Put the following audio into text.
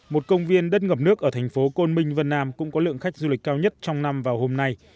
một công viên đất ngập nước ở thành phố côn minh vân nam cũng có lượng khách du lịch cao nhất trong năm vào hôm nay